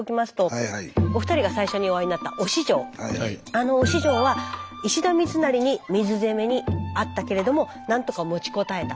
あの忍城は石田三成に水攻めにあったけれども何とか持ちこたえた。